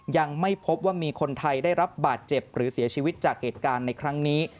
ยังไม่พบว่ามีคนไทยได้รับบาดเจ็บหรือเสียชีวิตจากเหตุการณ์ในครั้งนี้